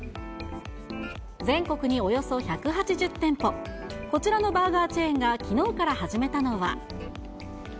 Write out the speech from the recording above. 全国におよそ１８０店舗、こちらのバーガーチェーンがきのうから始めたのは。